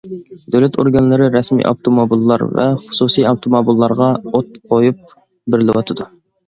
دۆلەت ئورگانلىرى، رەسمىي ئاپتوموبىللار ۋە خۇسۇسىي ئاپتوموبىللارغا ئوت قويۇپ بېرىلىۋاتىدۇ.